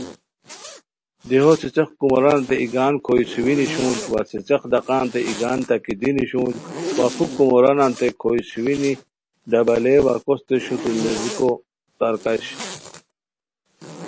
دیہو څیڅیق کومورانانتے ایگان کھوئی سوئینی شونج وا څیڅیق ڈقانتے ایگان تکی دینی شونج وا پُھک کومورانانتے کھوئی سوئینی ڈبلیے وا کوستے شوتور نیزیکو تار کش